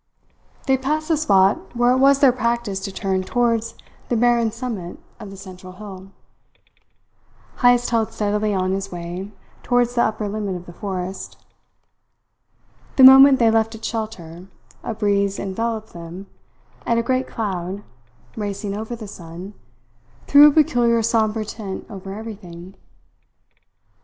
They passed the spot where it was their practice to turn towards the barren summit of the central hill. Heyst held steadily on his way towards the upper limit of the forest. The moment they left its shelter, a breeze enveloped them, and a great cloud, racing over the sun, threw a peculiar sombre tint over everything.